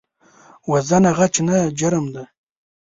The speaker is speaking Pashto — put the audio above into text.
وژنه غچ نه، جرم دی